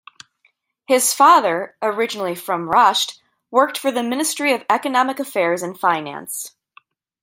His father, originally from Rasht, worked for the Ministry of Economic Affairs and Finance.